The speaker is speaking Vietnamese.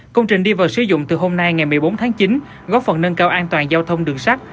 công trình đi vào sử dụng từ hôm nay ngày một mươi bốn tháng chín góp phần nâng cao an toàn giao thông đường sắt